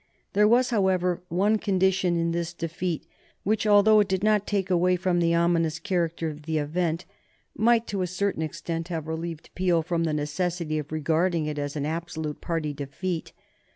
There was, however, one condition in this defeat which, although it did not take away from the ominous character of the event, might, to a certain extent, have relieved Peel from the necessity of regarding it as an absolute party defeat.